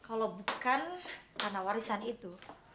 kalau bukan karena warisan itu